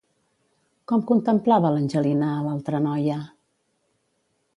Com contemplava l'Angelina a l'altra noia?